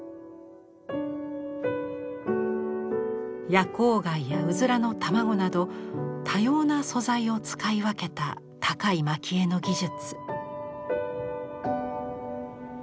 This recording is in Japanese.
夜光貝やウズラの卵など多様な素材を使い分けた高い蒔絵の技術。